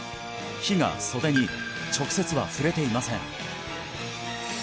火が袖に直接は触れていません